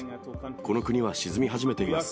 この国は沈み始めています。